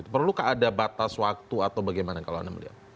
perlukah ada batas waktu atau bagaimana kalau anda melihat